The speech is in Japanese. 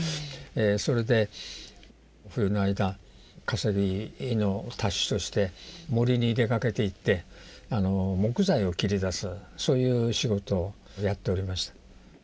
それで冬の間稼ぎの足しとして森に出かけていって木材を切り出すそういう仕事やっておりました。